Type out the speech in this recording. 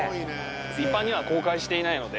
一般には公開していないので。